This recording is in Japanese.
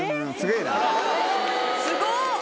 すごっ！